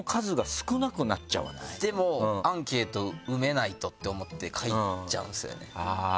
でもアンケート埋めないとって思って書いちゃうんですよね。